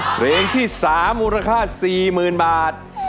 เพลงที่๓มูลค่า๔๐๐๐บาท